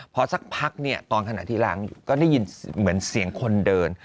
พอสักพักโทนขณะทีล้างก็ได้ยินเหมือนเสียงคนเดิน